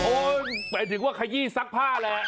โอ๊ยหมายถึงว่าขยี้ซักผ้าแล้ว